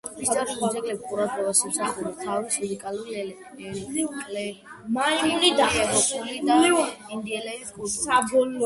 ისტორიული ძეგლები ყურადღებას იმსახურებს თავისი უნიკალური ეკლექტიკური ევროპული და ინდიელების კულტურით.